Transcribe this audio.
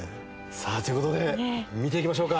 さあという事で見ていきましょうか。